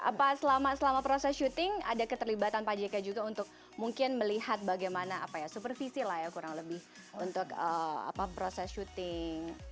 apa selama proses syuting ada keterlibatan pak jk juga untuk mungkin melihat bagaimana supervisi lah ya kurang lebih untuk proses syuting